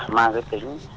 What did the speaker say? mang cái tính